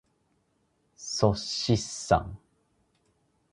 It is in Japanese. っそしっさん。